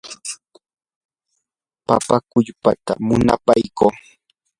papa qullputa munapaykuu.